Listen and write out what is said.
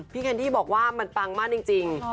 แคนดี้บอกว่ามันปังมากจริง